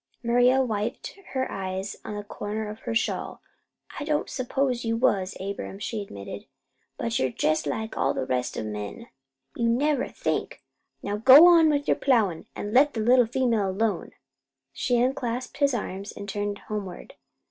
Maria wiped her eyes on the corner of her shawl. "I don't s'pose you was, Abram," she admitted; "but you're jest like all the rest o' the men. You never think! Now you go on with your plowin' an' let that little female alone." She unclasped his arms and turned homeward.